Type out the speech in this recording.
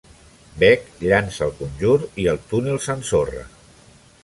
Bec llança el conjur i el túnel s'ensorra.